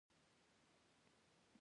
ایا دلته هوټل شته؟